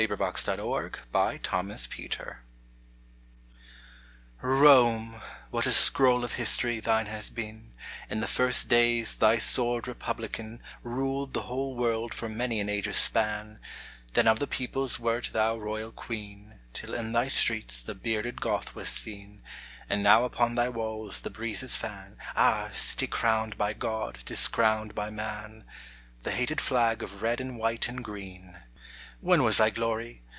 Arona. URBS SACRA iETERNA ROME ! what a scroll of History thine has been ;, In the first days thy sword republican Ruled the whole world for many an age's span : Then of the peoples wert thou royal Queen, Till in thy streets the bearded Goth was seen ; And now upon thy walls the breezes fan (Ah, city crowned by God, discrowned by man !) The hated flag of red and white and green. When was thy glory